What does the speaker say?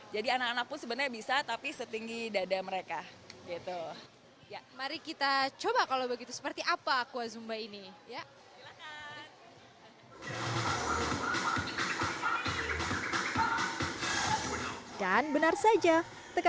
jadi anak anak pun sebenarnya bisa tapi setinggi dada mereka